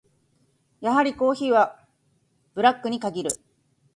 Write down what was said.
やはりコーヒーはブラックに限る。